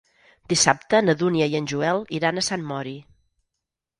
Dissabte na Dúnia i en Joel iran a Sant Mori.